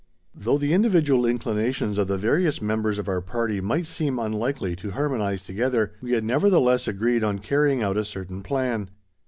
Though the individual inclinations of the various members of our party might seem unlikely to harmonize together, we had nevertheless agreed on carrying out a certain plan.